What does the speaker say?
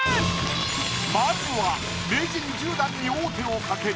まずは名人１０段に王手を掛ける